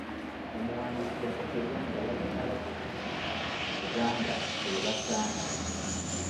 Omuwandiisi yategeeza nti abataka abakulu b'ebika mu Buganda be basaana.